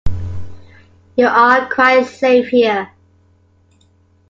You are quite safe here.